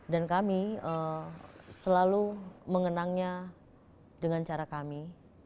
dan kami selalu mengenangnya dengan cara kami